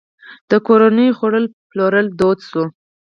د کورنیو خوړو پلورل دود شوي؟